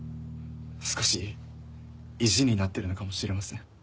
少し意地になっているのかもしれません。